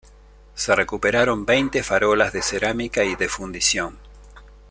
Se recuperaron veinte farolas de cerámica y de fundición.